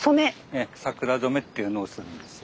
ええ桜染めっていうのをするんですよ。